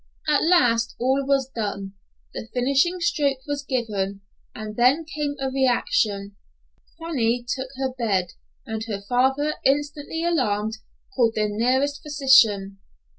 At last all was done; the finishing stroke was given, and then came a reaction. Fanny took her bed, and her father, instantly, alarmed, called the nearest physician.